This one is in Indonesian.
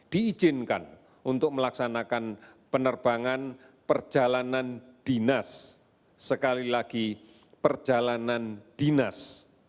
diizinkan untuk melaksanakan penerbangan perjalanan dinas sekali lagi perjalanan dinas